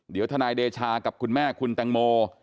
เดี๋ยวทนายเดชากับคุณแม่คุณแตงโม